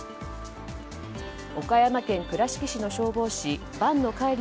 岡山県倉敷市の消防士伴埜海夢